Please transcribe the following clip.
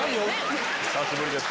久しぶりですか。